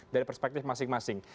dari perspektif masing masing